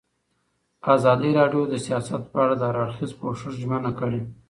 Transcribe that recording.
ازادي راډیو د سیاست په اړه د هر اړخیز پوښښ ژمنه کړې.